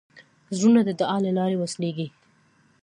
زړونه د دعا له لارې وصلېږي.